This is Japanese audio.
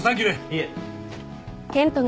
いえ。